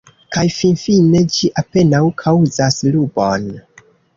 Kaj finfine ĝi apenaŭ kaŭzas rubon.